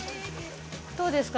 どうですか？